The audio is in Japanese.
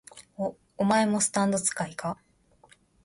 お、お前もスタンド使いか？